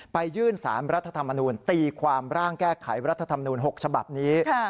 ไปยื่นสารรัฐธรรมนูลตีความร่างแก้ไขรัฐธรรมนูล๖ฉบับนี้